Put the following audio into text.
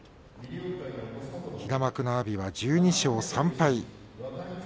平幕の阿炎は１２勝３敗。